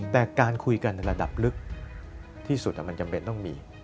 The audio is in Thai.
แต่การคุยกันในระดับลึกที่สุดมันจำเป็นต้องมี